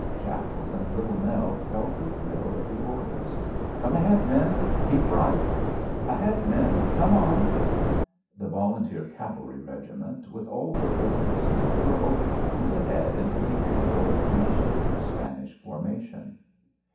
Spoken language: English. Shackles and Little Nell felt the thrill of the orders. "Come ahead, men! Keep right ahead, men! Come on!" The volunteer cavalry regiment, with all the willingness in the world, went ahead into the angle of V shaped Spanish formation.